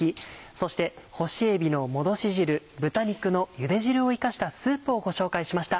そして干しえびのもどし汁豚肉のゆで汁を生かしたスープをご紹介しました。